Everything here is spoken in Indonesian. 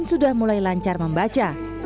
satya lancar membaca